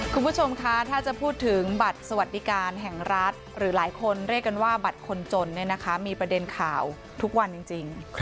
คุณผู้ชมคะถ้าจะพูดถึงบัตรสวัสดิการแห่งรัฐหรือหลายคนเรียกกันว่าบัตรคนจนเนี่ยนะคะมีประเด็นข่าวทุกวันจริง